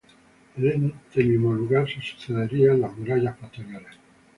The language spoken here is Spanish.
En este mismo lugar se sucederían las murallas posteriores.